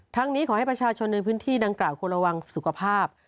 นี้ขอให้ประชาชนในพื้นที่ดังกล่าวควรระวังสุขภาพ